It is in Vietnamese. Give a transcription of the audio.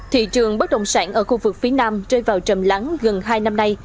thị trường bất động sản ở khu vực phía nam rơi vào trầm lắng gần hai năm nay